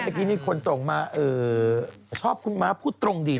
เมื่อกี้นี่คนส่งมาชอบคุณม้าพูดตรงดี